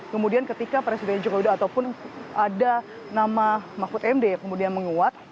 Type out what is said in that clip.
kemudian ketika presiden joko widodo ataupun ada nama mahfud md yang kemudian menguat